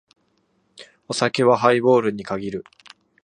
お酒はハイボールに限る。